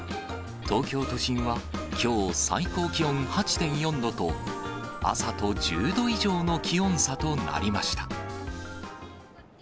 東京都心はきょう、最高気温８．４度と、朝と１０度以上の気温差となりました。